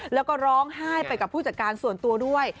แล้วก็ร้องไห้ไปกับผู้จัดการส่วนตัวด้วย